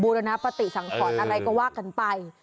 รณปฏิสังขรอะไรก็ว่ากันไป